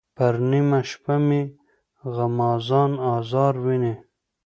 پر نیمه شپه مې غمازان آزار ویني.